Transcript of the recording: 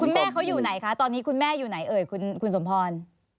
แม่เขาอยู่ไหนคะตอนนี้คุณแม่อยู่ไหนเอ่ยคุณสมพร